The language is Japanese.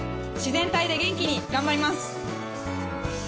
自然体で元気に頑張ります。